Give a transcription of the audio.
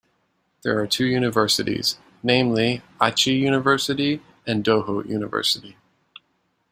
There are two universities, namely Aichi University and Doho University.